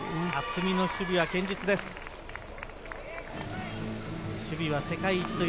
渥美の守備は堅実です。